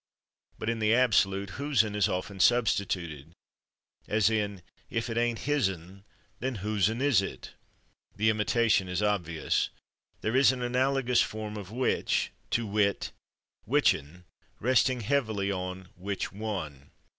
But in the absolute /whosen/ is often substituted, as in "if it ain't /hisn/, then /whosen/ is it?" The imitation is obvious. There is an analogous form of /which/, to wit, /whichn/, resting heavily on /which one